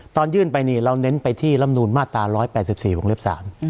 ตอนยื่นไปนี่เราเน้นไปที่ลำนูนมาตรา๑๘๔วงเล็บ๓